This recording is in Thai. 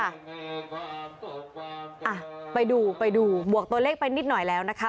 อ่ะไปดูไปดูบวกตัวเลขไปนิดหน่อยแล้วนะคะ